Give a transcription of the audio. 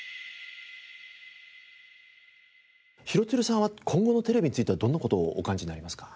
廣津留さんは今後のテレビについてはどんな事をお感じになりますか？